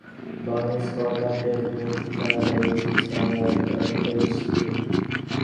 Born in Scotland, Dave moved to Canada with his family at age three.